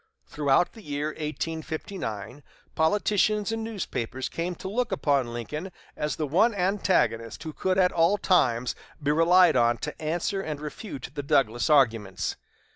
Throughout the year 1859 politicians and newspapers came to look upon Lincoln as the one antagonist who could at all times be relied on to answer and refute the Douglas arguments.